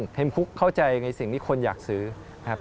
เห็นคุกเข้าใจในสิ่งที่คนอยากซื้อนะครับ